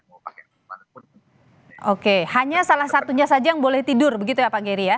oke hanya salah satunya saja yang boleh tidur begitu ya pak geri ya